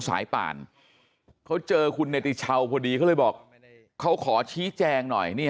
ป่านเขาเจอคุณเนติชาวพอดีเขาเลยบอกเขาขอชี้แจงหน่อยนี่